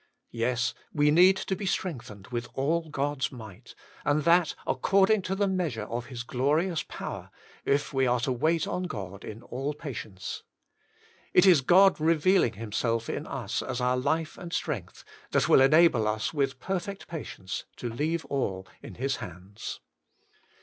* Yes, we need to be strengthened with all God's might, and that according to the measure of His glorious power, if we are to wait on God in all patience. It is God revealing Himself in us as our life and strength, that will enable us with perfect patience to l^ave all in His hands.